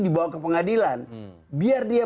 dibawa ke pengadilan biar dia